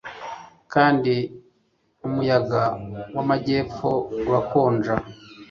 kandi umuyaga wamajyepfo urakonja